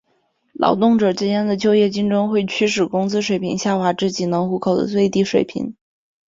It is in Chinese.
劳动者之间的就业竞争会驱使工资水平下滑至仅能糊口的最低水平。